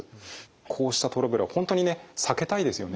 こうしたトラブルは本当にね避けたいですよね。